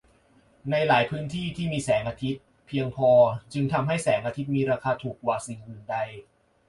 ในหลายพื้นที่ที่มีแสงอาทิตย์เพียงพอจึงทำให้แสงอาทิตย์มีราคาถูกกว่าสิ่งอื่นใด